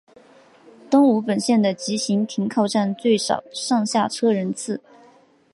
东武本线的急行停靠站最少上下车人次。